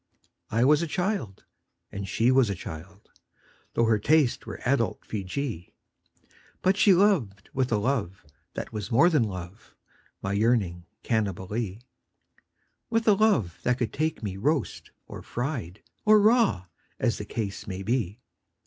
I was a child, and she was a child — Tho' her tastes were adult Feejee — But she loved with a love that was more than love, My yearning Cannibalee; With a love that could take me roast or fried Or raw, as the case might be.